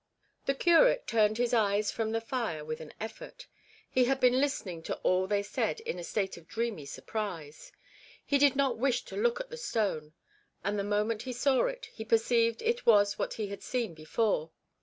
The curate turned his eyes from the fire with an effort. He had been listening to all they said in a state of dreamy surprise. He did not wish to look at the stone, and the moment he saw it he perceived it was what he had seen before.